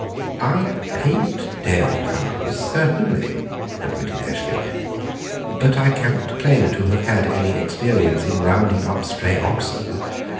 "I paint dairy cows, certainly," admitted Eshley, "but I cannot claim to have had any experience in rounding up stray oxen.